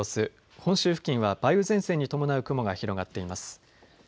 本州付近は梅雨前線に伴う雲が広がっています。